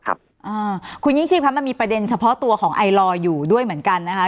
คุณยิ่งชีพครับมันมีประเด็นเฉพาะตัวของไอลอร์อยู่ด้วยเหมือนกันนะคะ